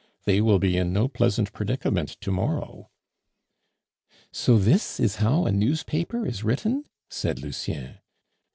They will be in no pleasant predicament to morrow." "So this is how a newspaper is written?" said Lucien.